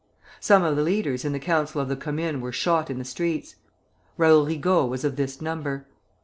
Some of the leaders in the Council of the Commune were shot in the streets. Raoul Rigault was of this number.